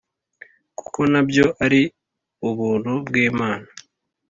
kuko na byo ari ubuntu bw Imana